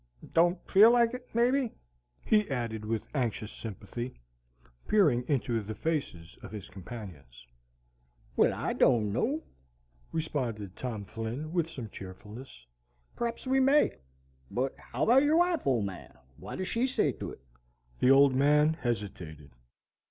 Don't feel like it, may be?" he added with anxious sympathy, peering into the faces of his companions. "Well, I don't know," responded Tom Flynn with some cheerfulness. "P'r'aps we may. But how about your wife, Old Man? What does SHE say to it?" The Old Man hesitated.